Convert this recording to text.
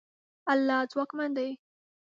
الله ځواکمن دی.